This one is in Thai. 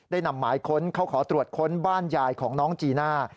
นำหมายค้นเขาขอตรวจค้นบ้านยายของน้องจีน่า